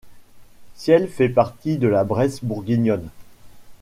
Ciel fait partie de la Bresse bourguignonne.